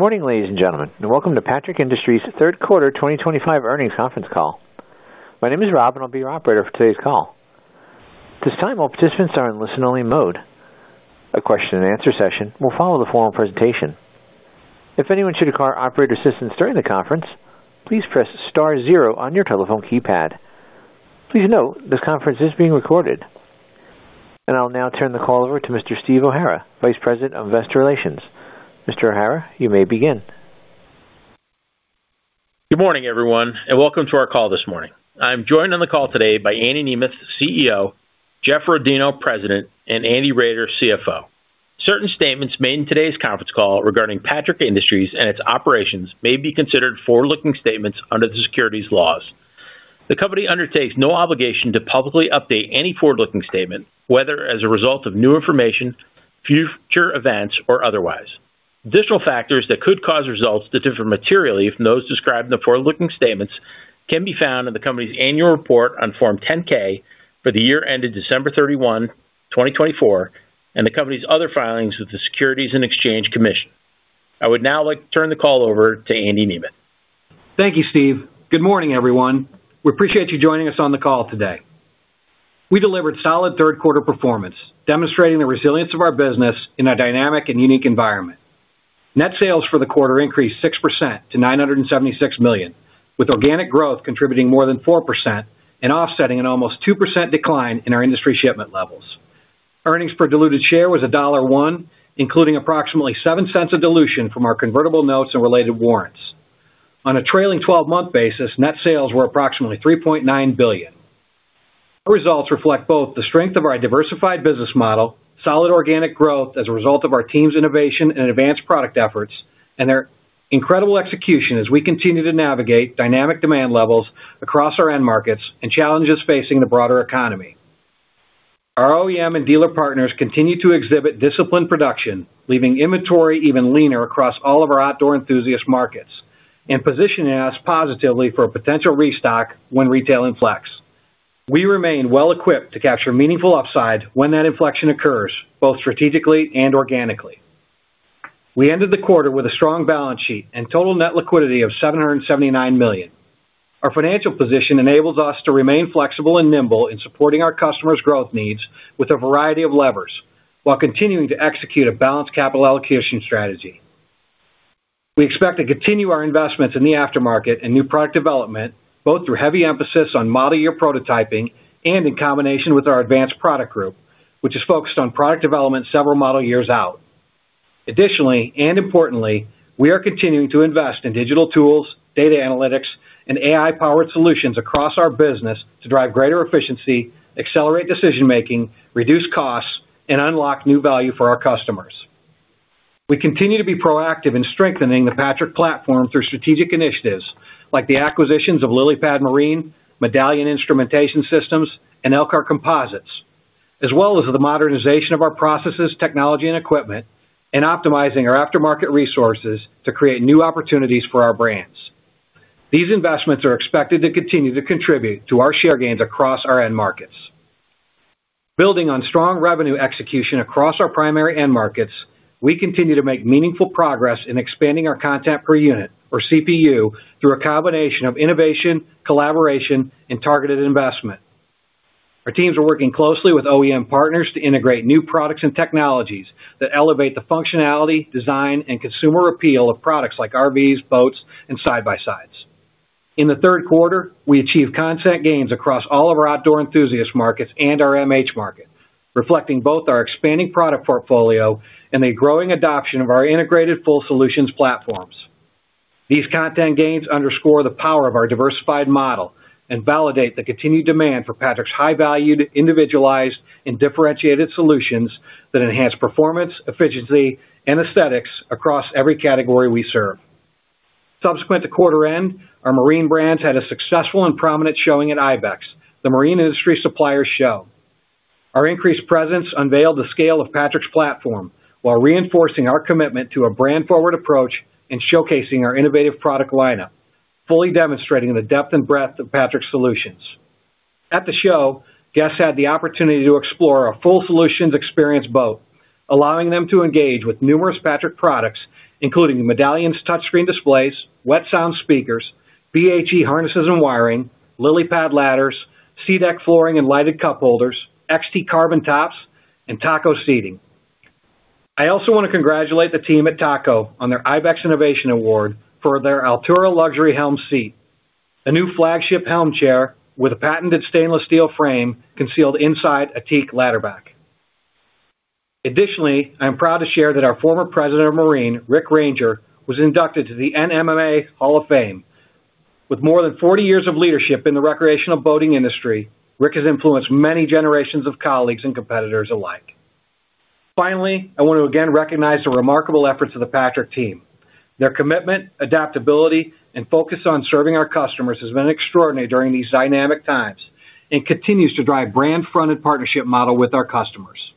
Good morning ladies and gentlemen and welcome to Patrick Industries Third Quarter 2025 Earnings Conference Call. My name is Rob and I'll be your operator for today's call. At this time all participants are in listen only mode. A question-and-answer session will follow the formal presentation. If anyone should require operator assistance during the conference, please press star zero on your telephone keypad. Please note this conference is being recorded and I'll now turn the call over to Mr. Steve O'Hara, Vice President of Investor Relations. Mr. O'Hara, you may begin. Good morning everyone, and welcome to our call this morning. I'm joined on the call today by. Andy Nemeth, CEO, Jeff Rodino, President, and Andy Roeder, CFO. Certain statements made in today's conference call. Regarding Patrick Industries and its operations, may. Be considered forward-looking statements. Under the securities laws, the Company undertakes. No obligation to publicly update any forward. Looking statement whether as a result of new information, future events, or otherwise. Additional factors that could cause results to differ materially from those described in the. Forward-looking statements can be found in the company's annual report on Form 10-K. For the year ended December 31, 2024. The company's other filings with the Securities and Exchange Commission. I would now like to turn the. Call over to Andy Nemeth. Thank you, Steve. Good morning everyone. We appreciate you joining us on the call. Today we delivered solid third quarter performance, demonstrating the resilience of our business in a dynamic and unique environment. Net sales for the quarter increased 6% to $976 million, with organic growth contributing more than 4% and offsetting an almost 2% decline in our industry shipment levels. Earnings per diluted share was $1.01, including approximately $0.07 of dilution from our convertible notes and related warrants. On a trailing 12-month basis, net sales were approximately $3.9 billion. Our results reflect both the strength of our diversified business model and solid organic growth as a result of our team's innovation and advanced product efforts and their incredible execution. As we continue to navigate dynamic demand levels across our end markets and challenges facing the broader economy, our OEM and dealer partners continue to exhibit disciplined production, leaving inventory even leaner across all of our outdoor enthusiast markets and positioning us positively for a potential restock when retail inflects. We remain well equipped to capture meaningful upside when that inflection occurs, both strategically and organically. We ended the quarter with a strong balance sheet and total net liquidity of $779 million. Our financial position enables us to remain flexible and nimble in supporting our customers' growth needs with a variety of levers while continuing to execute a balanced capital allocation strategy. We expect to continue our investments in the aftermarket and new product development, both through heavy emphasis on model year prototyping and in combination with our Advanced Product Group, which is focused on product development several model years out. Additionally, and importantly, we are continuing to invest in digital tools, data analytics, and AI-powered solutions across our business to drive greater efficiency, accelerate decision making, reduce costs, and unlock new value for our customers. We continue to be proactive in strengthening the Patrick platform through strategic initiatives like the acquisitions of LiliPad Marine, Medallion Instrumentation Systems, and Elkhart Composites, as well as the modernization of our processes, technology, and equipment, and optimizing our aftermarket resources to create new opportunities for our brands. These investments are expected to continue to contribute to our share gains across our end markets. Building on strong revenue execution across our primary end markets, we continue to make meaningful progress in expanding our content per unit or CPU through a combination of innovation, collaboration, and targeted investment. Our teams are working closely with OEM partners to integrate new products and technologies that elevate the functionality, design, and consumer appeal of products like RVs, boats, and side by sides. In the third quarter, we achieved content gains across all of our outdoor enthusiast markets and our MH market, reflecting both our expanding product portfolio and the growing adoption of our integrated full solutions platforms. These content gains underscore the power of our diversified model and validate the continued demand for Patrick's high valued, individualized, and differentiated solutions that enhance performance, efficiency, and aesthetics across every category we serve. Subsequent to quarter end, our Marine brands had a successful and prominent showing at IBEX. The Marine industry suppliers show our increased presence unveiled the scale of Patrick's platform while reinforcing our commitment to a brand forward approach and showcasing our innovative product lineup, fully demonstrating the depth and breadth of Patrick's solutions. At the show, guests had the opportunity to explore our Full Solutions Experience Boat, allowing them to engage with numerous Patrick's products including Medallion's touchscreen displays, Wet Sounds speakers, BHE harnesses and wiring, LiliPad Marine ladders, SeaDek flooring and lighted cup holders, XT carbon tops, and TACO seating. I also want to congratulate the team at TACO on their IBEX Innovation Award for their Altura Luxury Helm seat, a new flagship helm chair with a patented stainless steel frame concealed inside a teak ladderback. Additionally, I am proud to share that our former President of Marine, Rick Reyenger, was inducted to the NMMA Hall of Fame. With more than 40 years of leadership in the recreational boating industry, Rick has influenced many generations of colleagues and competitors alike. Finally, I want to again recognize the remarkable efforts of the Patrick team. Their commitment, adaptability, and focus on serving our customers has been extraordinary during these dynamic times and continues to drive a brand fronted partnership model with our customers.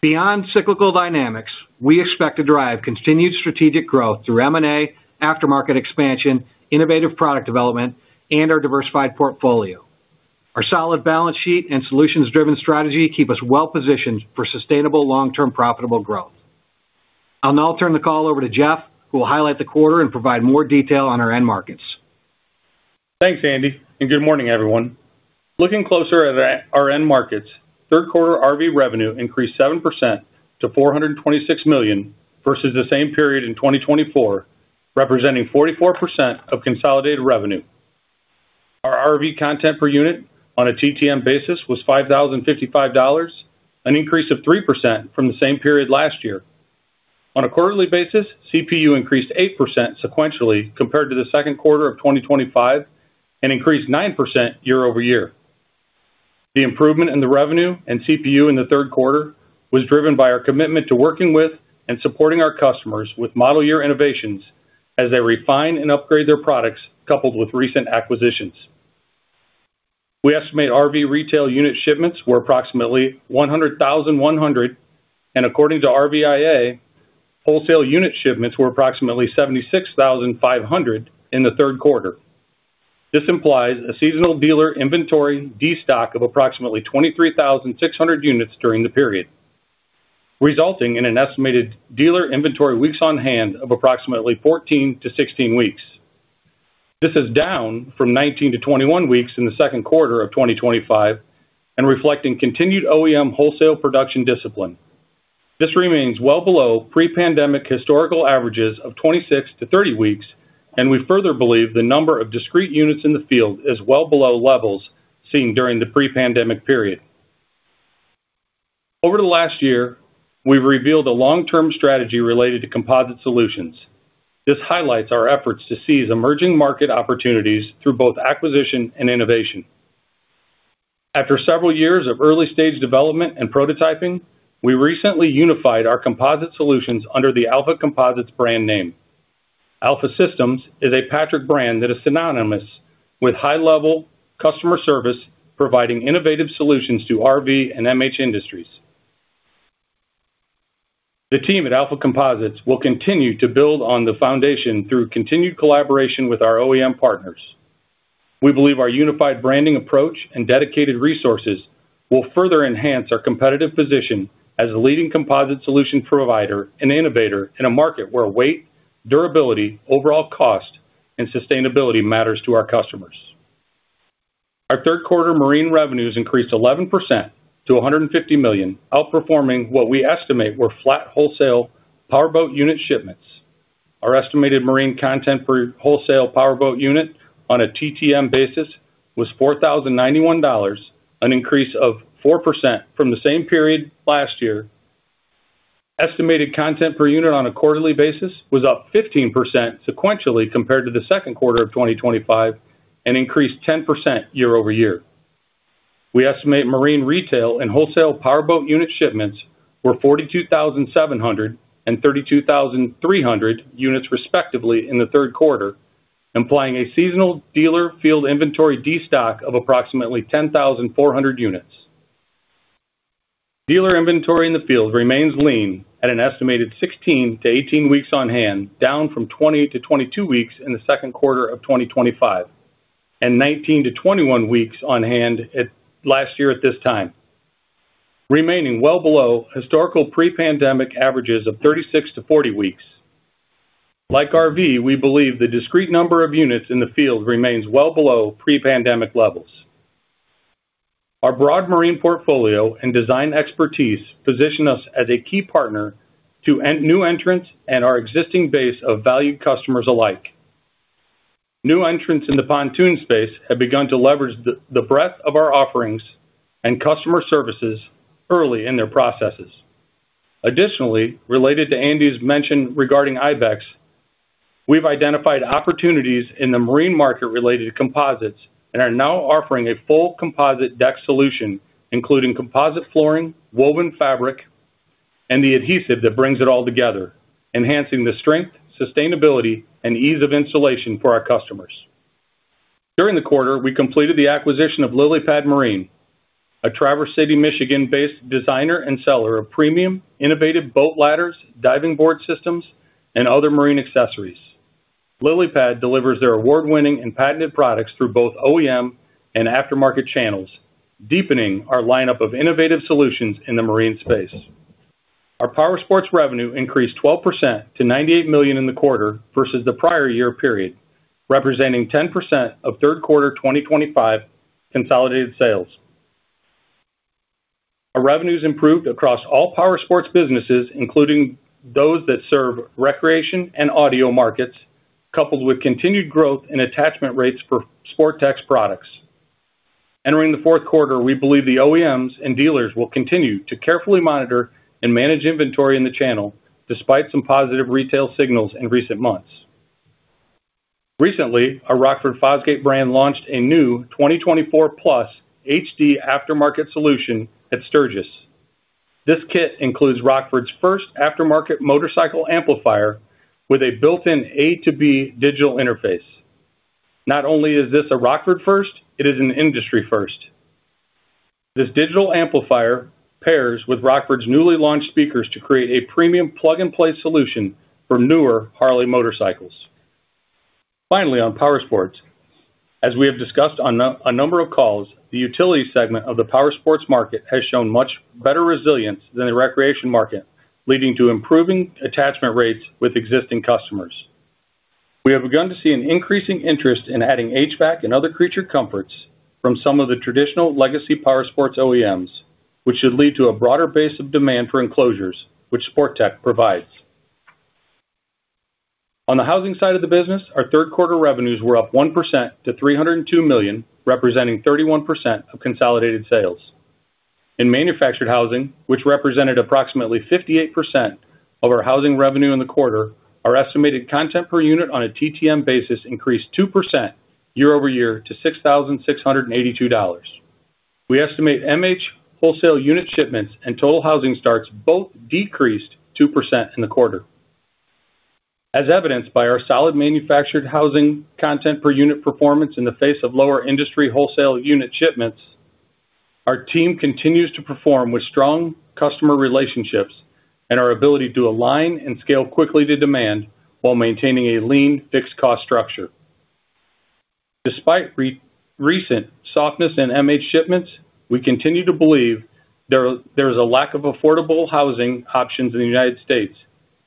Beyond cyclical dynamics, we expect to drive continued strategic growth through M&A, aftermarket expansion, innovative product development, and our diversified portfolio. Our solid balance sheet and solutions-driven strategy keep us well positioned for sustainable long-term profitable growth. I'll now turn the call over to Jeff, who will highlight the quarter and provide more detail on our end markets. Thanks Andy and good morning everyone. Looking closer at our end markets, third quarter RV revenue increased 7% to $426 million versus the same period in 2024, representing 44% of consolidated revenue. Our RV content per unit on a TTM basis was $5,055, an increase of 3% from the same period last year. On a quarterly basis, CPU increased 8% sequentially compared to the second quarter of 2025 and increased 9% year-over-year. The improvement in the revenue and CPU in the third quarter was driven by our commitment to working with and supporting our customers with model year innovations as they refine and upgrade their products. Coupled with recent acquisitions, we estimate RV retail unit shipments were approximately 100,100 and according to RVIA, wholesale unit shipments were approximately 76,500 in the third quarter. This implies a seasonal dealer inventory destock of approximately 23,600 units during the period, resulting in an estimated dealer inventory weeks on hand of approximately 14-16 weeks. This is down from 19-21 weeks in the second quarter of 2025 and reflecting continued OEM wholesale production discipline. This remains well below pre-pandemic historical averages of 26-30 weeks and we further believe the number of discrete units in the field is well below levels seen during the pre-pandemic period. Over the last year we've revealed a long term strategy related to composite solutions. This highlights our efforts to seize emerging market opportunities through both acquisition and innovation. After several years of early stage development and prototyping, we recently unified our composite solutions under the Alpha Composites brand name. Alpha Systems is a Patrick brand that is synonymous with high level customer service providing innovative solutions to RV and MH industries. The team at Alpha Composites will continue to build on the foundation through continued collaboration with our OEM partners. We believe our unified branding approach and dedicated resources will further enhance our competitive position as a leading composite solution provider and innovator in a market where weight, durability, overall cost and sustainability matters to our customers. Our third quarter Marine revenues increased 11% to $150 million, outperforming what we estimate were flat wholesale powerboat unit shipments. Our estimated Marine content per wholesale powerboat unit on a TTM basis was $4,091, an increase of 4% from the same period last year. Estimated content per unit on a quarterly basis was up 15% sequentially compared to the second quarter of 2025 and increased 10% year-over-year. We estimate Marine retail and wholesale powerboat unit shipments were 42,700 and 32,300 units respectively in the third quarter, implying a seasonal dealer field inventory destock of approximately 10,400 units. Dealer inventory in the field remains lean at an estimated 16-18 weeks on hand, down from 20-22 weeks in the second quarter of 2025 and 19-21 weeks on hand last year at this time, remaining well below historical pre-pandemic averages of 36-40 weeks. Like RV, we believe the discrete number of units in the field remains well below pre-pandemic levels. Our broad Marine portfolio and design expertise position us as a key partner to new entrants and our existing base of valued customers alike. New entrants in the pontoon space have begun to leverage the breadth of our offerings and customer services early in their processes. Additionally, related to Andy's mention regarding IBEX, we've identified opportunities in the Marine market related to composites and are now offering a full composite deck solution including composite flooring, woven fabric, and the adhesive that brings it all together, enhancing the strength, sustainability, and ease of installation for our customers. During the quarter, we completed the acquisition of LiliPad Marine, a Traverse City, Michigan-based designer and seller of premium innovative boat ladders, diving board systems, and other Marine accessories. LiliPad delivers their award-winning and patented products through both OEM and aftermarket channels, deepening our lineup of innovative solutions in the Marine space. Our Powersports revenue increased 12% to $98 million in the quarter versus the prior year period, representing 10% of third quarter 2025 consolidated sales. Our revenues improved across all Powersports businesses, including those that serve recreation and audio markets. Coupled with continued growth in attachment rates for Sportech's products entering the fourth quarter, we believe the OEMs and dealers will continue to carefully monitor and manage inventory in the channel despite some positive retail signals in recent months. Recently, our Rockford Fosgate brand launched a new 2024+ HD aftermarket solution at Sturgis. This kit includes Rockford's first aftermarket motorcycle amplifier with a built-in A2B digital interface. Not only is this a Rockford first, it is an industry first. This digital amplifier pairs with Rockford's newly launched speakers to create a premium plug and play solution for newer Harley motorcycles. Finally, on Powersports, as we have discussed on a number of calls, the utility segment of the Powersports market has shown much better resilience than the recreation market, leading to improving attachment rates with existing customers. We have begun to see an increasing interest in adding HVAC and other creature comforts from some of the traditional legacy Powersports OEMs, which should lead to a broader base of demand for enclosures which Sportech provides. On the Housing side of the business, our third quarter revenues were up 1% to $302 million, representing 31% of consolidated sales in Manufactured Housing, which represented approximately 58% of our Housing revenue in the quarter. Our estimated content per unit on a TTM basis increased 2% year-over-year to $6,682. We estimate MH wholesale unit shipments and total Housing starts both decreased 2% in the quarter, as evidenced by our solid Manufactured Housing content per unit performance. In the face of lower industry wholesale unit shipments, our team continues to perform with strong customer relationships and our ability to align and scale quickly to demand while maintaining a lean fixed cost structure. Despite recent softness in MH shipments, we continue to believe there is a lack of affordable Housing options in the U.S.,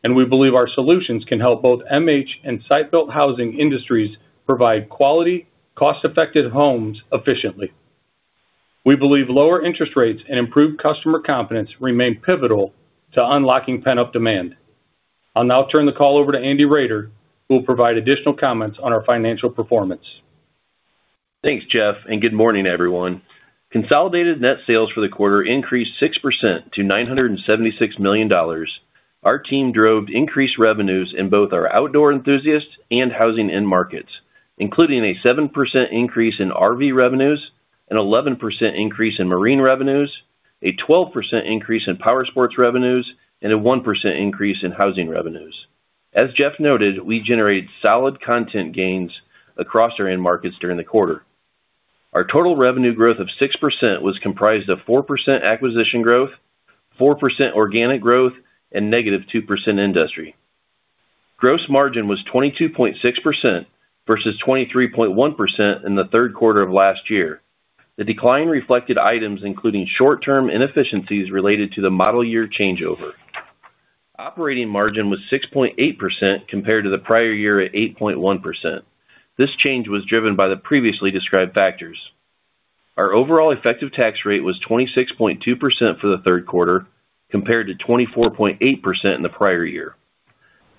and we believe our solutions can help both MH and site-built Housing industries provide quality, cost-effective homes efficiently. We believe lower interest rates and improved customer confidence remain pivotal to unlocking pent-up demand. I'll now turn the call over to Andy Roeder, who will provide additional comments on our financial performance. Thanks Jeff and good morning everyone. Consolidated net sales for the quarter increased 6% to $976 million. Our team drove increased revenues in both our Outdoor Enthusiasts and Housing end markets, including a 7% increase in RV revenues, an 11% increase in Marine revenues, a 12% increase in Powersports revenues, and a 1% increase in Housing revenues. As Jeff noted, we generated solid content gains across our end markets during the quarter. Our total revenue growth of 6% was comprised of 4% acquisition growth, 4% organic growth, and -2%. Industry gross margin was 22.6% versus 23.1% in the third quarter of last year. The decline reflected items including short-term inefficiencies related to the model year changeover. Operating margin was 6.8% compared to the prior year at 8.1%. This change was driven by the previously described factors. Our overall effective tax rate was 26.2% for the third quarter compared to 24.8% in the prior year.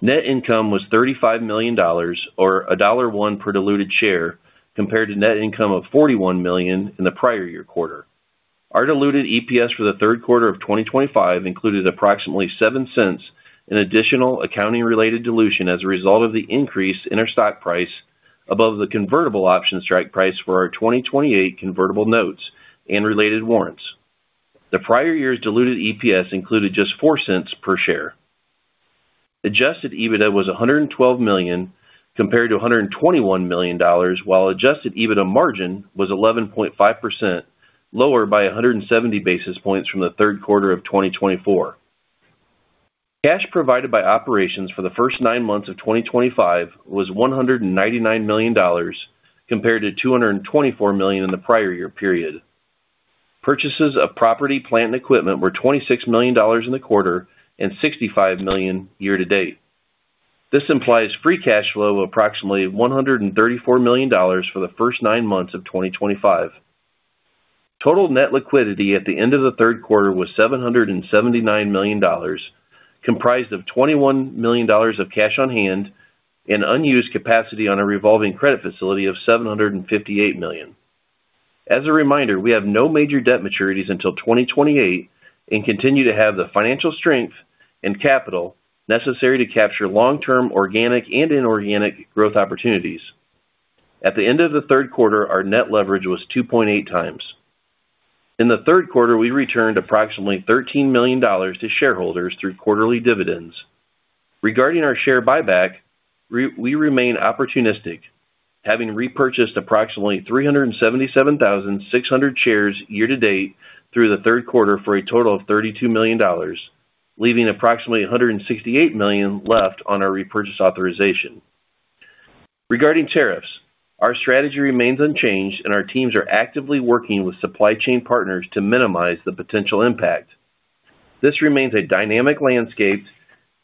Net income was $35 million or $1.01 per diluted share compared to net income of $41 million in the prior year quarter. Our diluted EPS for the third quarter of 2025 included approximately $0.07 in additional accounting-related dilution as a result of the increase in our stock price above the convertible option strike price for our 2028 convertible notes and related warrants. The prior year's diluted EPS included just $0.04 per share. Adjusted EBITDA was $112 million compared to $121 million, while adjusted EBITDA margin was 11.5%, lower by 170 basis points from the third quarter of 2024. Cash provided by operations for the first 9 months of 2025 was $199 million compared to $224 million in the prior year period. Purchases of property, plant, and equipment were $26 million in the quarter and $65 million year-to-date. This implies free cash flow of approximately $134 million for the first 9 months of 2025. Total net liquidity at the end of the third quarter was $779 million, comprised of $21 million of cash on hand and unused capacity on a revolving credit facility of $758 million. As a reminder, we have no major debt maturities until 2028 and continue to have the financial strength and capital necessary to capture long-term organic and inorganic growth opportunities. At the end of the third quarter, our net leverage was 2.8x. We returned approximately $13 million to shareholders through quarterly dividends regarding our share buyback. We remain opportunistic, having repurchased approximately 377,600 shares year-to-date through the third quarter for a total of $32 million, leaving approximately $168 million left on our repurchase authorization. Regarding tariffs, our strategy remains unchanged, and our teams are actively working with supply chain partners to minimize the potential impact. This remains a dynamic landscape,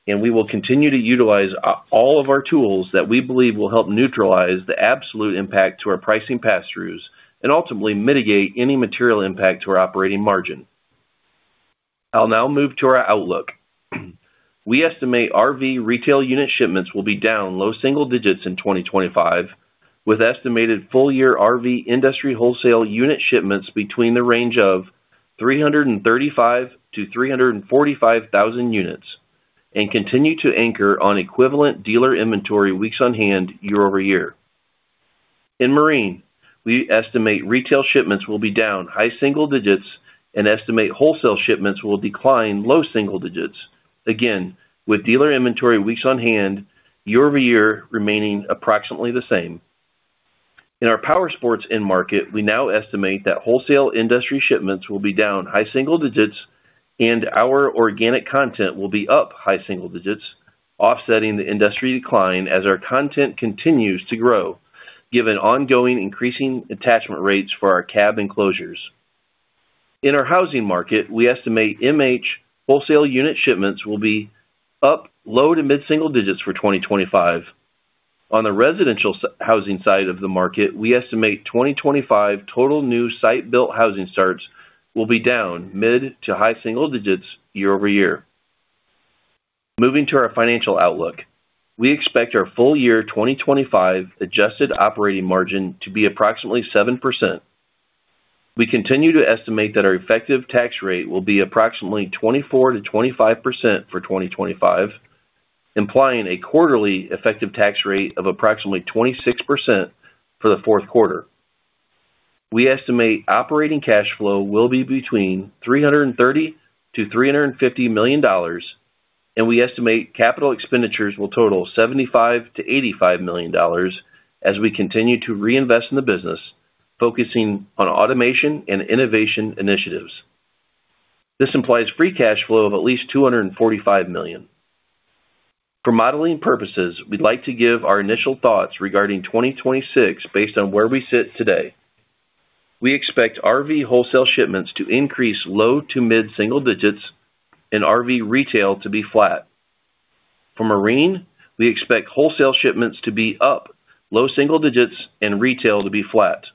and we will continue to utilize all of our tools that we believe will help neutralize the absolute impact to our pricing pass throughs and ultimately mitigate any material impact to our operating margin. I'll now move to our outlook. We estimate RV retail unit shipments will be down low single digits in 2025, with estimated full year RV industry wholesale unit shipments between the range of 335,000-345,000 units and continue to anchor on equivalent dealer inventory weeks on hand year-over-year. In Marine, we estimate retail shipments will be down high single digits and estimate wholesale shipments will decline low single digits, again with dealer inventory weeks on hand year-over-year remaining approximately the same. In our Powersports end market, we now estimate that wholesale industry shipments will be down high single digits, and our organic content will be up high single digits, offsetting the industry decline as our content continues to grow given ongoing increasing attachment rates for our cab enclosures. In our Housing market, we estimate MH wholesale unit shipments will be up low to mid single digits for 2025. On the residential Housing side of the market, we estimate 2025 total new site-built Housing starts will be down mid to high single digits year-over-year. Moving to our financial outlook, we expect our full year 2025 adjusted operating margin to be approximately 7%. We continue to estimate that our effective tax rate will be approximately 24%-25% for 2025, implying a quarterly effective tax rate of approximately 26%. For the fourth quarter, we estimate operating cash flow will be between $330 million-$350 million, and we estimate capital expenditures will total $75 million-$85 million. As we continue to reinvest in the business, focusing on automation and innovation initiatives, this implies free cash flow of at least $245 million. For modeling purposes, we'd like to give our initial thoughts regarding 2026. Based on where we sit today, we expect RV wholesale shipments to increase low to mid single digits and RV retail to be flat. For Marine, we expect wholesale shipments to be up low single digits and retail to be flat.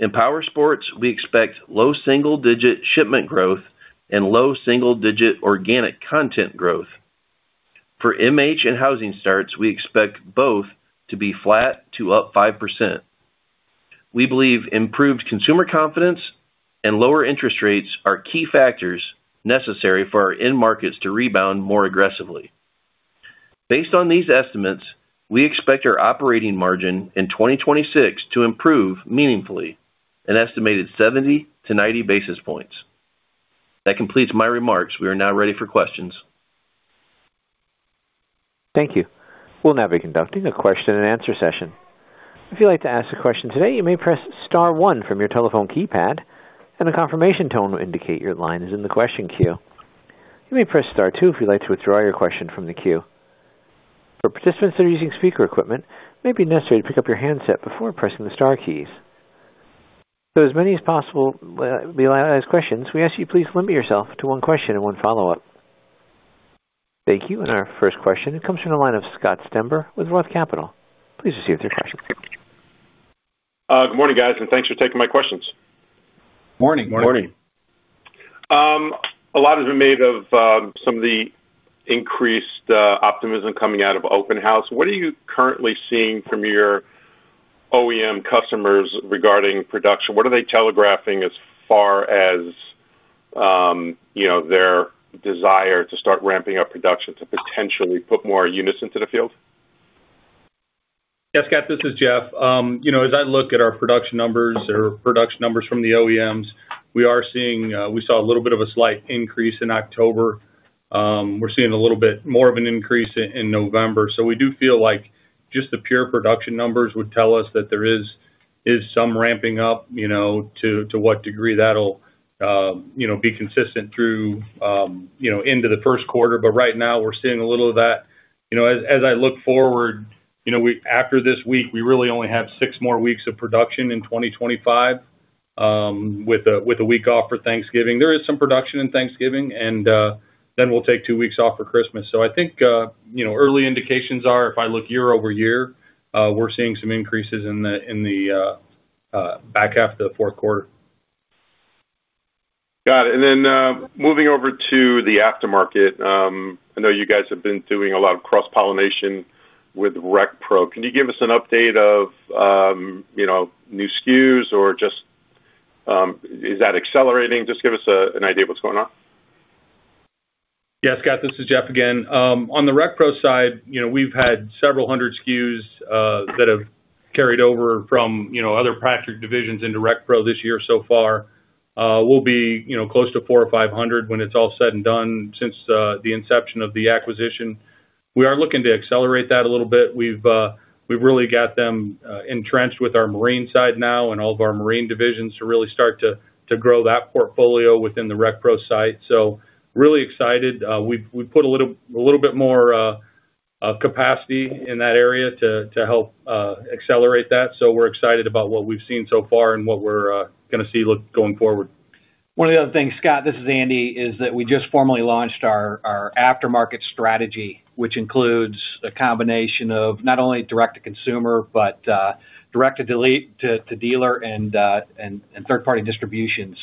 In Powersports, we expect low single digit shipment growth and low single digit organic content growth. For MH and Housing starts, we expect both to be flat to up 5%. We believe improved consumer confidence and lower interest rates are key factors necessary for our end markets to rebound more aggressively. Based on these estimates, we expect our operating margin in 2026 to improve meaningfully, an estimated 70-90 basis points. That completes my remarks. We are now ready for questions. Thank you. We'll now be conducting a question-and-answer session. If you'd like to ask a question today, you may press star one from your telephone keypad and a confirmation tone will indicate your line is in the question queue. You may press star two if you'd like to withdraw your question from the queue. For participants that are using speaker equipment, it may be necessary to pick up your handset before pressing the star keys. To allow as many questions as possible, we ask you please limit yourself to one question and one follow-up. Thank you. Our first question comes from the line of Scott Stember with ROTH Capital. Please proceed with your questions. Good morning, guys, and thanks for taking my questions. Morning. A lot has been made of some of the increased optimism coming out of Open House. What are you currently seeing from your OEM customers regarding production? What are they telegraphing as far as, you know, their desire to start ramping up production to potentially put more units into the field? Yes. Scott, this is Jeff. As I look at our production numbers or production numbers from the OEMs, we are seeing, we saw a little bit of a slight increase in October. We're seeing a little bit more of an increase in November. We do feel like just the pure production numbers would tell us that there is some ramping up, you know, to what degree that'll, you know, be consistent through, you know, into the first quarter. Right now we're seeing a little of that. As I look forward, after this week, we really only have 6 more weeks of production in 2025 with a week off for Thanksgiving. There is some production in Thanksgiving and then we'll take 2 weeks off for Christmas. I think early indications are if I look year-over-year, we're seeing some increases in the back half of the fourth quarter. Got it. Moving over to the aftermarket. I know you guys have been doing a lot of cross pollination with RecPro. Can you give us an update of, you know, new SKUs or just, is that accelerating? Just give us an idea of what's going on. Yes. Scott, this is Jeff again on the RecPro side. We've had several hundred SKUs that have carried over from other Patrick divisions into RecPro this year. So far we'll be close to 400 or 500. When it's all said and done since the inception of the acquisition, we are looking to accelerate that a little bit. We've really got them entrenched with our Marine side now and all of our Marine divisions to really start to grow that portfolio within the RecPro site. Really excited we put a little bit more capacity in that area to help accelerate that. We're excited about what we've seen so far and what we're going to see looking forward. One of the other things, Scott, this is Andy, is that we just formally launched our aftermarket strategy, which includes a combination of not only direct to consumer, but direct to dealer and third party distribution.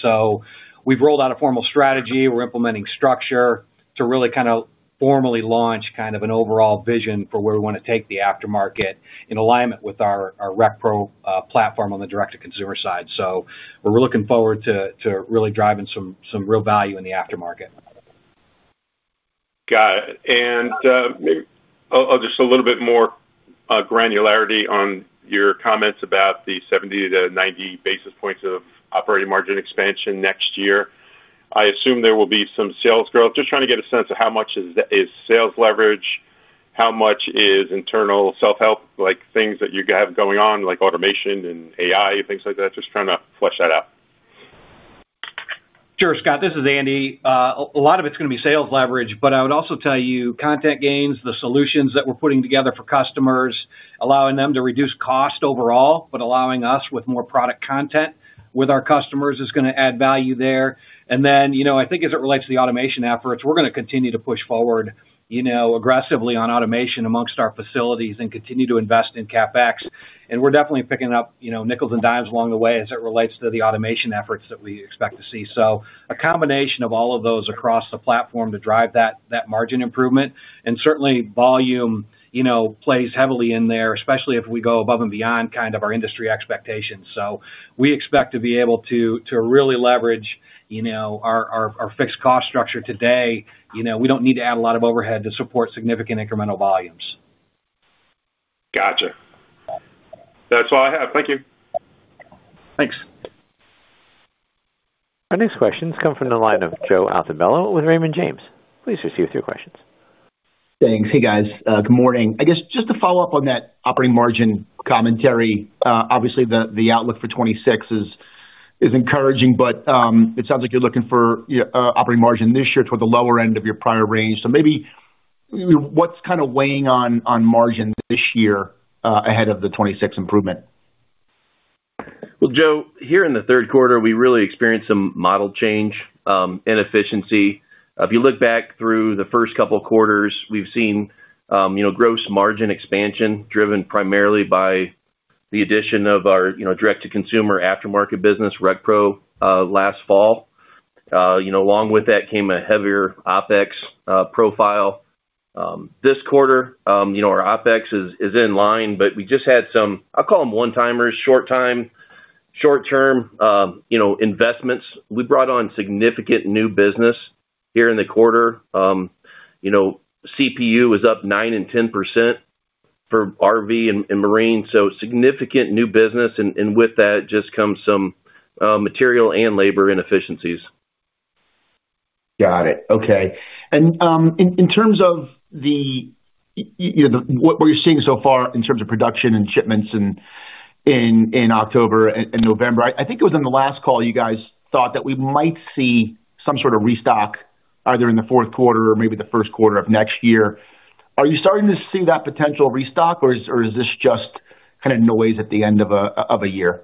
We've rolled out a formal strategy. We're implementing structure to really kind of formally launch an overall vision for where we want to take the aftermarket in alignment with our RecPro platform on the direct to consumer side. We're looking forward to really driving some real value in the aftermarket. Got it. Just a little bit more granularity on your comments about the 70-90 basis points of operating margin expansion next year. I assume there will be some sales growth. Just trying to get a sense of how much is sales leverage, how much is internal self help, like things that you have going on like automation and AI, things like that. Just trying to flesh that out. Sure. Scott, this is Andy. A lot of it's going to be sales leverage. I would also tell you content gains, the solutions that we're putting together for customers, allowing them to reduce cost overall, but allowing us with more product content with our customers is going to add value there. I think as it relates to the automation efforts, we're going to continue to push forward aggressively on automation amongst our facilities and continue to invest in CapEx. We're definitely picking up nickels and dimes along the way as it relates to the automation efforts that we expect to see. A combination of all of those across the platform drives that margin improvement, and certainly volume plays heavily in there, especially if we go above and beyond kind of our industry expectations. We expect to be able to really leverage our fixed cost structure today. We don't need to add a lot of overhead to support significant incremental volumes. Gotcha. That's all I have. Thank you. Thanks. Our next questions come from the line of Joe Altobello with Raymond James. Please proceed through your questions. Thanks. Hey guys, good morning. I guess just to follow up on that operating margin commentary, obviously the outlook for 2026 is encouraging, but it sounds. Like you're looking for operating margin, this. Year toward the lower end of your prior range. What is kind of weighing on margin this year ahead of the 2026 improvement? Joe, here in the third quarter we really experienced some model change in efficiency. If you look back through the first couple quarters, we've seen gross margin expansion driven primarily by the addition of our direct to consumer aftermarket business RecPro last fall. Along with that came a heavier OpEx profile. This quarter our OpEx is in line, but we just had some, I'll call them one timers, short term investments. We brought on significant new business here in the quarter. CPU was up 9% and 10% for RV and Marine. Significant new business came with that, and with that just come some material and labor inefficiencies. Got it. Okay. In terms of what you're seeing so far in terms. Of production and shipments in October. November, I think it was in the. Last call, you guys thought that we. Might see some sort of restock either. In the fourth quarter or maybe the first quarter of next year, are you starting to see that potential restock, or is this just kind of. Noise at the end of a year?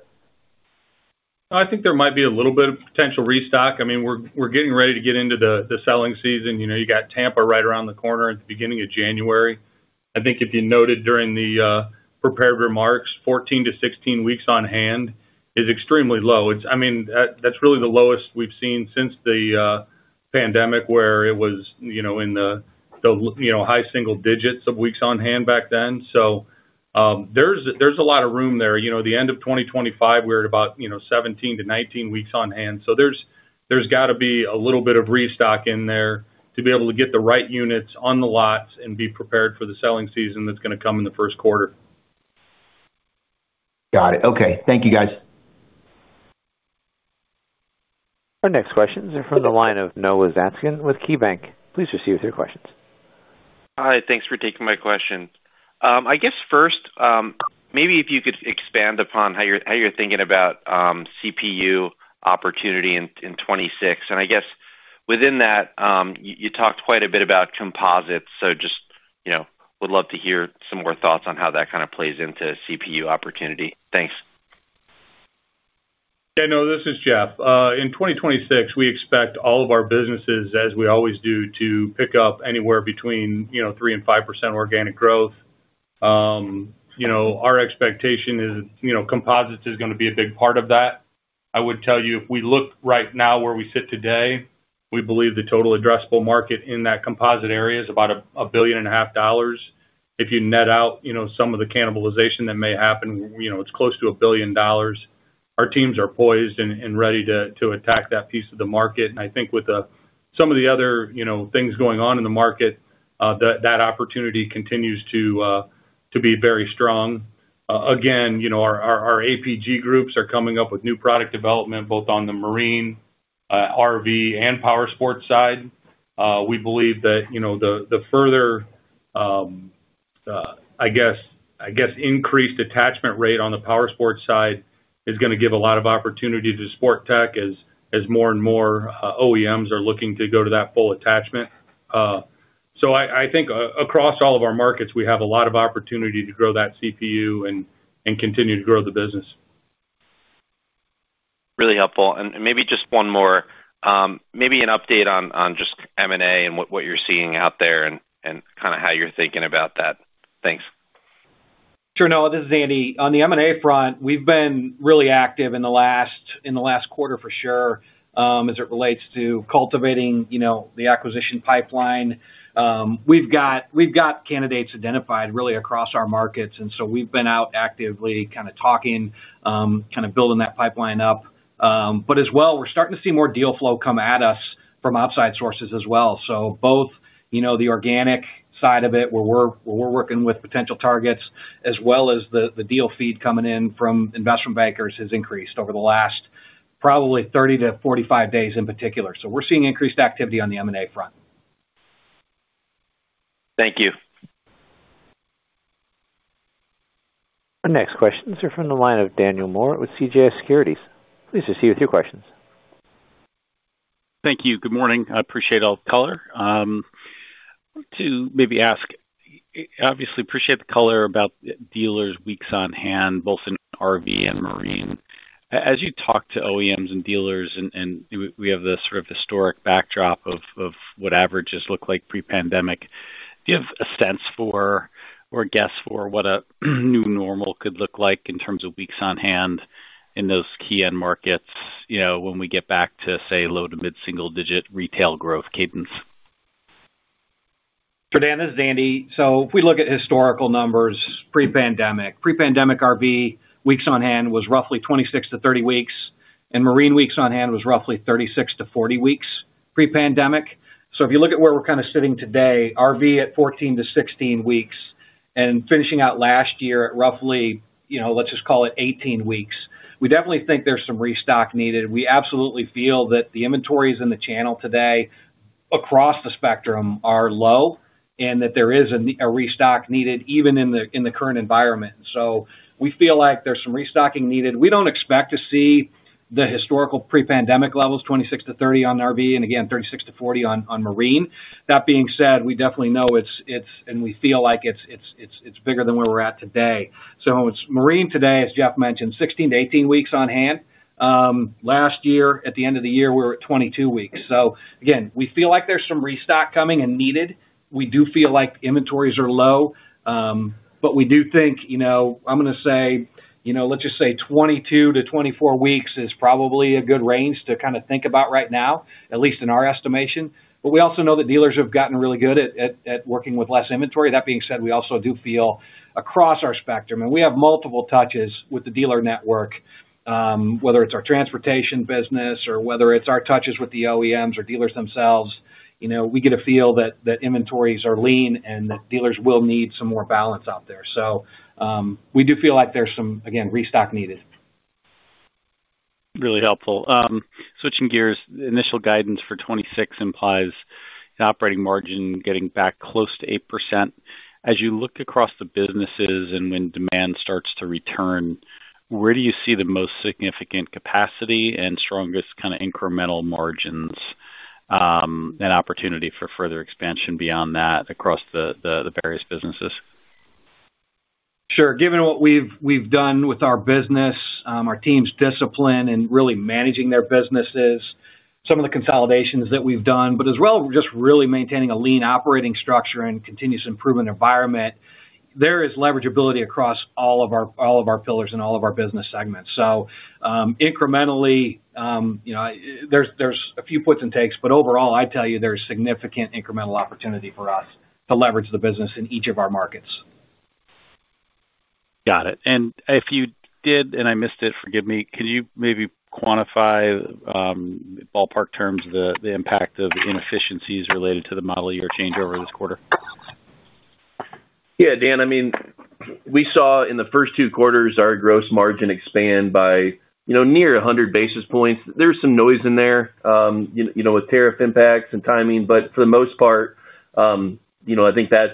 I think there might be a little bit of potential restock. I mean, we're getting ready to get into the selling season. You know, you got Tampa right around the corner at the beginning of January. I think if you noted during the prepared remarks, 14-16 weeks on hand is extremely low. I mean, that's really the lowest we've seen since the pandemic where it was in the high single digits of weeks on hand back then. There's a lot of room there. The end of 2025, we're at about 17-19 weeks on hand. There's got to be a little bit of restock in there to be able to get the right units on the lots and be prepared for the selling season that's going to come in the first quarter. Got it. Okay, thank you, guys. Our next questions are from the line of Noah Zatzkin with KeyBanc Capital Markets. Please proceed with your questions. Hi, thanks for taking my question. I guess first, maybe if you could. Expand upon how you're thinking about CPU opportunity in 2026. Within that, you talked. Quite a bit about composites, so just. Would love to hear some more thoughts on how that kind of plays into CPU opportunity. Thanks. This is Jeff. In 2026, we expect all of our businesses, as we always do, to pick up anywhere between 3% and 5% organic growth. Our expectation is Composites is going to be a big part of that. I would tell you, if we look right now where we sit today, we believe the total addressable market in that composite area is about $1.5 billion. If you net out some of the cannibalization that may happen, it's close to $1 billion. Our teams are poised and ready to attack that piece of the market. I think with some of the other things going on in the market, that opportunity continues to be very strong. Again, our APG groups are coming up with new product development both on the Marine, RV, and Powersports side. We believe that the further, I guess, increased attachment rate on the Powersports side is going to give a lot of opportunity to Sportech as more and more OEMs are looking to go to that full attachment. I think across all of our markets we have a lot of opportunity to grow that CPU and continue to grow the business. Really helpful. Maybe just one more, maybe an. Update on just M&A. What you're seeing out there and kind. Of how you're thinking about that. Thanks. Sure. Noah, this is Andy. On the M&A front, we've been really active in the last quarter for sure as it relates to cultivating the acquisition pipeline. We've got candidates identified really across our markets, and we've been out actively talking, building that pipeline up. We're starting to see more deal flow come at us from outside sources as well. Both the organic side of it, we're working with potential targets, as well as the deal feed coming in from investment bankers, has increased over the last probably 30-45 days in particular. We're seeing increased activity on the M&A front. Thank you. Our next questions are from the line of Daniel Moore with CJS Securities. Please proceed with your questions. Thank you. Good morning. I appreciate all the color. Obviously appreciate the color about dealers weeks. On hand both in RV and Marine as you talk to OEMs and dealers. We have this sort of historic. Backdrop of what averages look like pre-pandemic. Do you have a sense for or? Guess for what a new normal could be. Look like in terms of weeks on. Hand in those key end markets? You know, when we get back to. Say low to mid single digit retail growth cadence. Dan, this is Andy. If we look at historical numbers, pre-pandemic, RV weeks on hand was roughly 26-30 weeks and Marine weeks on hand was roughly 36-40 weeks pre-pandemic. If you look at where we're kind of sitting today, RV at 14-16 weeks and finishing out last year at roughly, let's just call it 18 weeks, we definitely think there's some restock needed. We absolutely feel that the inventories in the channel today across the spectrum are low and that there is a restock needed even in the current environment. We feel like there's some restocking needed. We don't expect to see the historical pre-pandemic levels, 26-30 weeks on RV and again, 36-40 weeks on Marine. That being said, we definitely know it's bigger than where we're at today. Marine today, as Jeff mentioned, 16-18 weeks on hand last year. At the end of the year, we were at 22 weeks. We feel like there's some restock coming and needed. We do feel like inventories are low, but we do think, you know, I'm going to say, you know, let's just say 22-24 weeks is probably a good range to kind of think about right now, at least in our estimation. We also know that dealers have gotten really good at working with less inventory. That being said, we also do feel across our spectrum, and we have multiple touches with the dealer network, whether it's our transportation business or whether it's our touches with the OEMs or dealers themselves. We get a feel that inventories are lean and that dealers will need some more balance out there. We do feel like there's some, again, restock needed. Really helpful. Switching gears, initial guidance for 2026 implies operating margin getting back close to 8%. As you look across the businesses and when demand starts to return, where do you. You see the most significant capacity and. Strongest kind of incremental margins and opportunity. For further expansion beyond that across the various businesses? Sure. Given what we've done with our business, our team's discipline and really managing their businesses, some of the consolidations that we've done, as well, just really maintaining a lean operating structure and continuous improvement environment, there is leverage ability across all of our pillars and all of our business segments. Incrementally there's a few puts and takes, but overall, I tell you, there's significant incremental opportunity for us to leverage the business in each of our markets. Got it. If you did and I missed it, forgive me. Can you maybe quantify in ballpark terms the. Impact of inefficiencies related to the model. Year changeover this quarter? Yeah, Dan. I mean, we saw in the first two quarters our gross margin expand by, you know, near 100 basis points. There's some noise in there, you know, with tariff impacts and timing, but for the most part, you know, I think that's.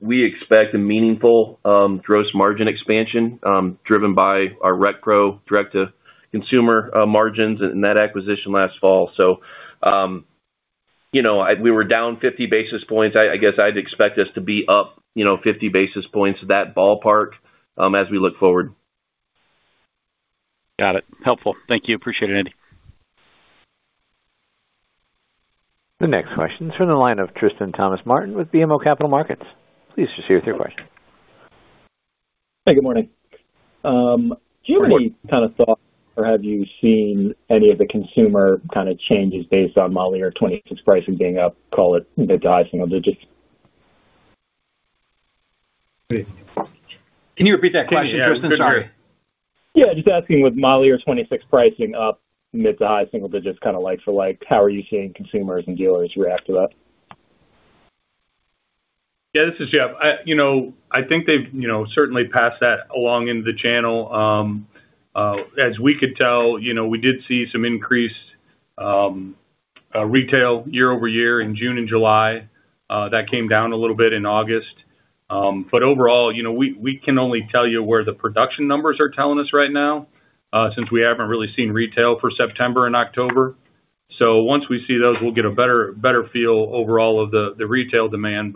We expect a meaningful gross margin expansion driven by our RecPro direct to consumer margins in that acquisition last fall. You know, we were down 50 basis points. I guess I'd expect us to be up, you know, 50 basis points that ballpark as we look forward. Got it. Helpful. Thank you. Appreciate it. Andy. The next question is from the line of Tristan Thomas-Martin with BMO Capital Markets. Please proceed with your question. Hey, good morning. Do you have any kind of thoughts? Have you seen any of the consumer kind of changes based on modeling or pricing being up, call it. Mid to high single digits. Can you repeat that question? Sorry, just asking. With model year 2026 pricing up mid to high single digits, kind of like. How are you seeing consumers and dealers react to that? Yeah, this is Jeff. I think they've certainly passed that along into the channel as we could tell. We did see some increased retail year-over-year in June and July. That came down a little bit in August. Overall, we can only tell you where the production numbers are telling us right now since we haven't really seen retail for September and October. Once we see those, we'll get a better feel overall of the retail demand.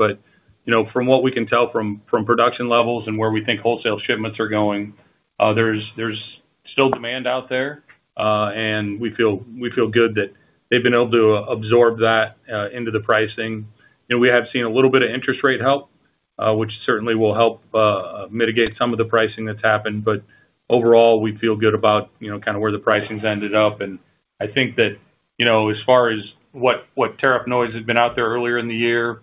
From what we can tell from production levels and where we think wholesale shipments are going, there's still demand out there and we feel good that they've been able to absorb that into the pricing. We have seen a little bit of interest rate help, which certainly will help mitigate some of the pricing that's happened. Overall, we feel good about kind of where the pricing's ended up. As far as what tariff noise had been out there earlier in the year,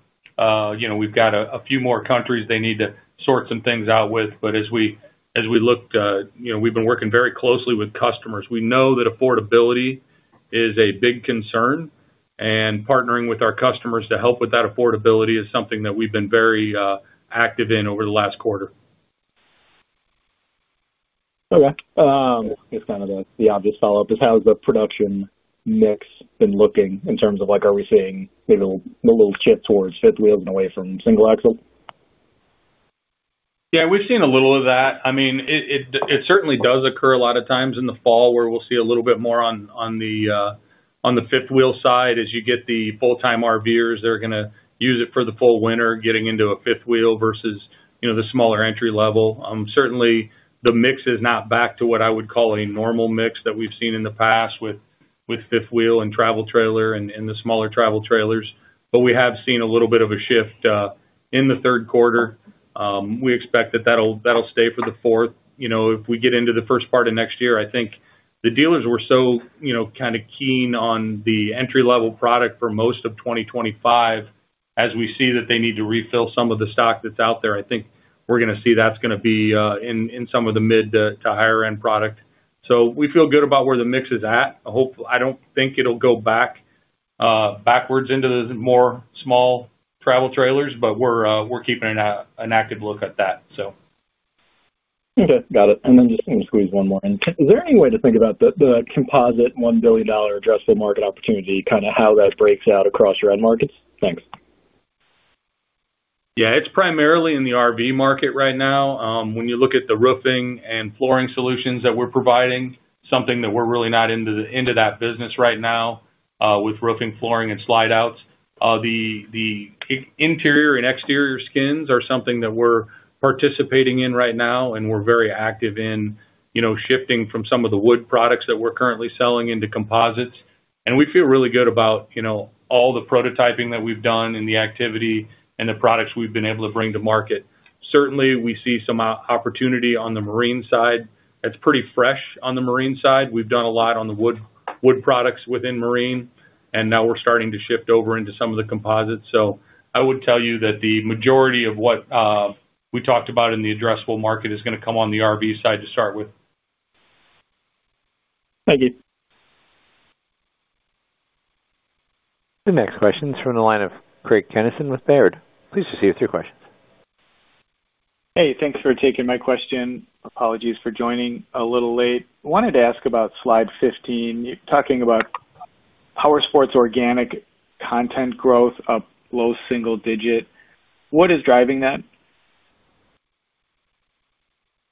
we've got a few more countries they need to sort some things out with. As we look, we've been working very closely with customers. We know that affordability is a big concern and partnering with our customers to help with that affordability is something that we've been very active in over the last quarter. Okay. It's kind of the obvious follow-up. How's the production mix been looking in terms of like are we seeing. Maybe a little chip towards fifth wheels. Away from single axle? Yeah, we've seen a little of that. I mean, it certainly does occur a lot of times in the fall where we'll see a little bit more on the fifth wheel side as you get the full-time RVers, they're going to use it for the full winter. Getting into a fifth wheel versus the smaller entry level, certainly the mix is not back to what I would call a normal mix that we've seen in the past with fifth wheel and travel trailer and the smaller travel trailers, but we have seen a little bit of a shift in the third quarter. We expect that that'll stay for the fourth if we get into the first part of next year. I think the dealers were so kind of keen on the entry level product for most of 2025. As we see that they need to refill some of the stock that's out there, I think we're going to see that's going to be in some of the mid to higher end product. We feel good about where the mix is at. I don't think it'll go backwards into the more small travel trailers, but we're keeping an active look at that. Okay, got it. Just squeeze one more. Is there any way to think about the composite $1 billion addressable market opportunity, kind of how that breaks out across your end markets? Thanks. Yeah, it's primarily in the RV market right now. When you look at the roofing and flooring solutions that we're providing, we're really not into that business right now with roofing, flooring, and slide outs. The interior and exterior skins are something that we're participating in right now. We're very active in shifting from some of the wood products that we're currently selling into composites. We feel really good about all the prototyping that we've done and the activity and the products we've been able to bring to market. Certainly, we see some opportunity on the Marine side. It's pretty fresh on the Marine side. We've done a lot on the wood products within Marine, and now we're starting to shift over into some of the composites. I would tell you that the majority of what we talked about in the addressable market is going to come on the RV side to start with. Thank you. The next question is from the line of Craig Kennison with Baird. Please proceed with your questions. Hey, thanks for taking my question. Apologies for joining a little late. Wanted to ask about slide 15. Talking about Powersports organic content growth up low single digit. What is driving that?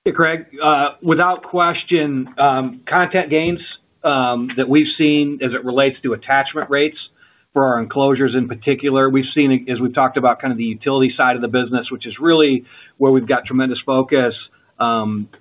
Hey, Craig. Without question, content gains that we've seen as it relates to attachment rates for our enclosures in particular, we've seen as we've talked about kind of the utility side of the business, which is really where we've got tremendous focus,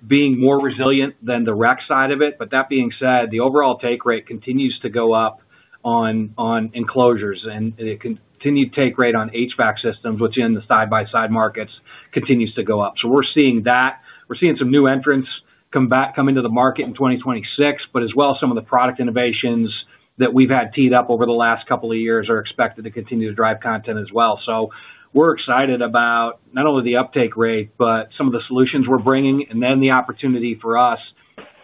being more resilient than the rec side of it. That being said, the overall take rate continues to go up on enclosures and continued take rate on HVAC systems, which in the side-by-side markets continues to go up. We're seeing that, we're seeing some new entrants come into the market in 2026, as well as some of the product innovations that we've had teed up over the last couple of years are expected to continue to drive content as well. We're excited about not only the uptake rate but some of the solutions we're bringing and the opportunity for us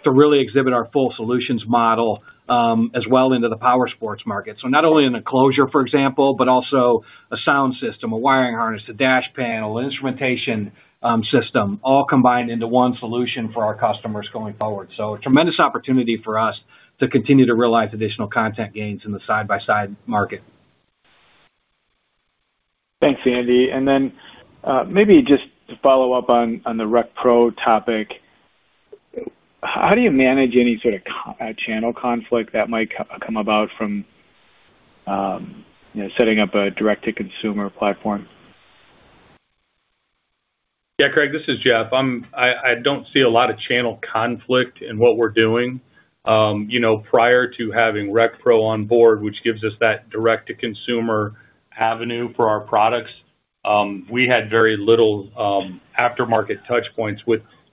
to really exhibit our full solutions model as well into the Powersports market. Not only an enclosure, for example, but also a sound system, a wiring harness, a dash panel, instrumentation system all combined into one solution for our customers going forward. A tremendous opportunity for us to continue to realize additional content gains in the side-by-side market. Thanks, Andy. Maybe just to follow up on the RecPro topic, how do. You manage any sort of channel conflict. That might come about. Setting up a direct-to-consumer platform? Yeah, Craig, this is Jeff. I don't see a lot of channel conflict in what we're doing. Prior to having RecPro on board, which gives us that direct to consumer avenue for our products, we had very little aftermarket touch points.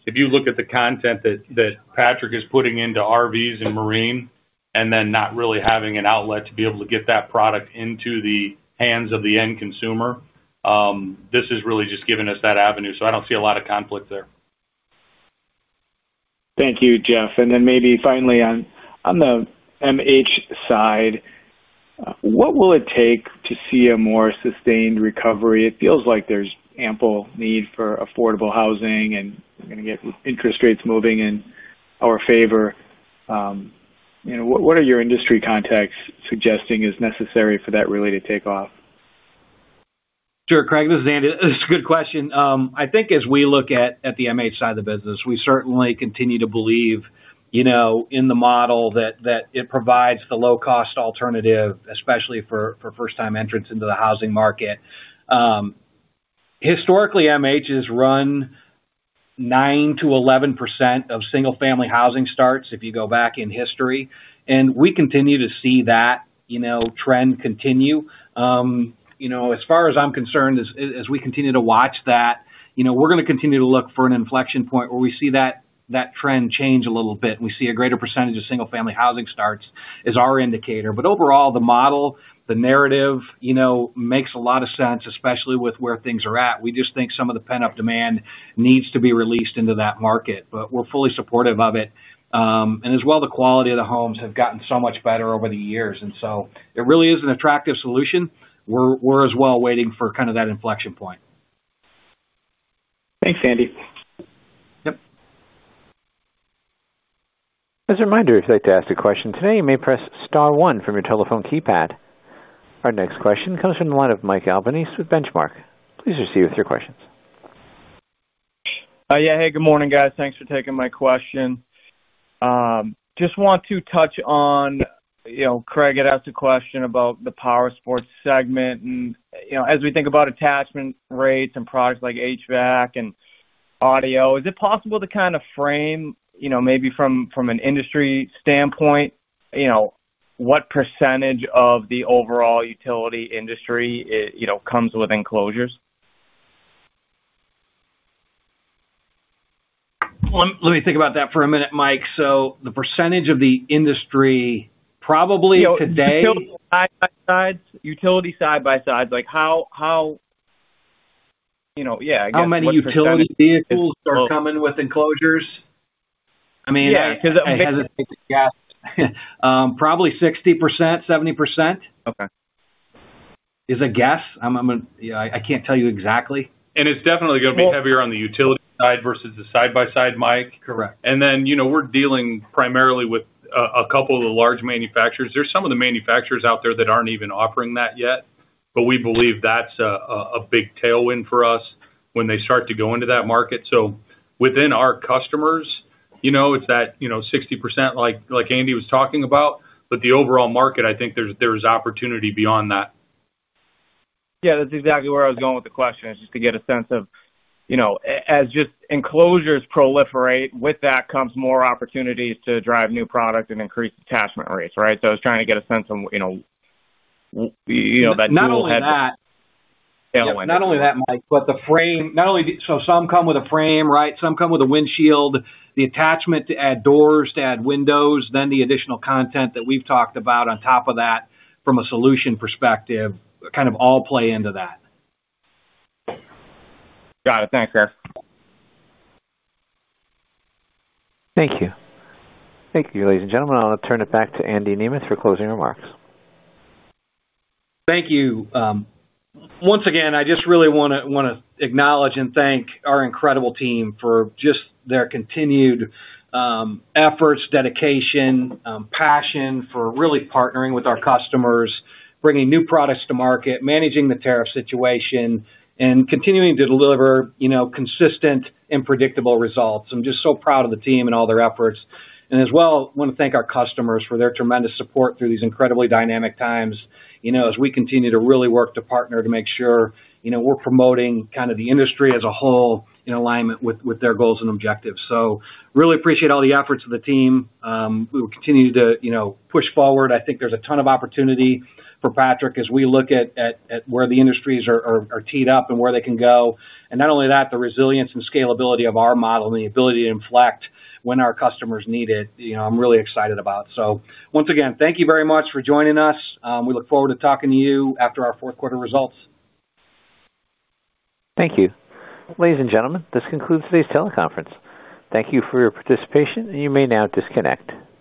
If you look at the content that Patrick Industries is putting into RVs and Marine and then not really having an outlet to be able to get that product into the hands of the end consumer, this is really just giving us that avenue. I don't see a lot of conflict there. Thank you, Jeff. Maybe finally on the MH side, what will it take to see. A more sustained recovery? It feels like there's ample need for affordable Housing and we're going to get interest rates moving in our favor. What are your industry context suggesting is necessary for that really to take off? Sure. Craig, this is Andy, it's a good question. I think as we look at the MH side of the business, we certainly continue to believe, you know, in the model that it provides the low cost alternative, especially for first time entrance into the Housing market. Historically, MH has run 9%-11% of single family Housing starts. If you go back in history and we continue to see that, you know, trend continue, you know, as far as I'm concerned, as we continue to watch that, you know, we're going to continue to look for an inflection point where we see that trend change a little bit, we see a greater percentage of single family housing starts is our indicator. Overall, the model, the narrative, you know, makes a lot of sense especially with where things are at. We just think some of the pent up demand needs to be released into that market, but we're fully supportive of it. As well, the quality of the homes have gotten so much better over the years. It really is an attractive solution as well, waiting for kind of that inflection point. Thanks, Andy. Yep. As a reminder, if you'd like to ask a question today, you may press star one from your telephone keypad. Our next question comes from the line of Mike Albanese with Benchmark. Please proceed with your questions. Yeah. Hey, good morning, guys. Thanks for taking my question. I just want to touch on, you know. Craig had asked a question about the Powersports segment. As we think about it. Attachment rates and products like HVAC. Is it possible to kind of frame, you know, maybe from. From an industry standpoint, what percentage of the overall utility industry comes with enclosures? Let me think about that for a minute, Mike. The percentage of the industry, probably. Today, utility side by side, like how, how, you know. How many utility vehicles are coming with enclosures? I mean, probably 60%, 70%. Okay. It's a guess. I can't tell you exactly. It is definitely going to be heavier on the utility side versus the side by side, Mike. Correct. We're dealing primarily with a couple of the large manufacturers. There are some of the manufacturers out there that aren't even offering that yet, but we believe that's a big tailwind for us when they start to go into that market. Within our customers, it's that 60%, like Andy was talking about, but the overall market, I think there's opportunity beyond that. Yeah, that's exactly where I was going with the question. Just to get a sense of, you know, as enclosures proliferate. With that comes more opportunities to drive new product and increase attachment rates, right. I was trying to get a sense of, you know. Not only that, Mike, but the frame. Not only. Some come with a frame, right? Some come with a windshield. The attachment to add doors, to add windows, then the additional content that we've talked about on top of that from a solution perspective, kind of all play into that. Got it. Thanks. Thank you. Thank you, ladies and gentlemen. I'll turn it back to Andy Nemeth for closing remarks. Thank you. Once again, I just really want to acknowledge and thank our incredible team for just their continued efforts, dedication, passion, for really partnering with our customers, bringing new products to market, managing the tariff situation, and continuing to deliver consistent and predictable results. I'm just so proud of the team and all their efforts, and as well want to thank our customers for their tremendous support through these incredibly dynamic times. As we continue to really work to partner, to make sure we're promoting the industry as a whole in alignment with their goals and objectives, I really appreciate all the efforts of the team. We will continue to push forward. I think there's a ton of opportunity for Patrick as we look at where the industries are teed up and where they can go. Not only that, the resilience and scalability of our model and the ability to inflect when our customers need it, I'm really excited about. Once again, thank you very much for joining us. We look forward to talking to you after our fourth quarter results. Thank you. Ladies and gentlemen, this concludes today's teleconference. Thank you for your participation. You may now disconnect.